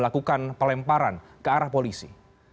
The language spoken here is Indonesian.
ke arah polisi